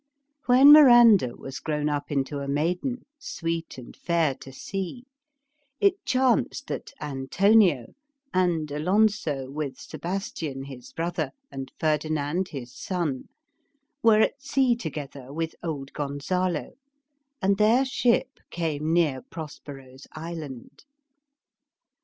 When Miranda was grown up into a maiden, sweet and fair to see, it chanced that Antonio, and Alonso with Sebastian, his brother, and Ferdinand, his son, were at sea together with old Gonzalo, and their ship came near Prosperous island.